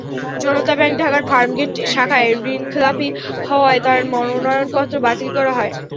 জনতা Bank ঢাকার ফার্মগেট শাখায় ঋণখেলাপি হওয়ায় তাঁর মনোনয়নপত্র বাতিল করা হয়।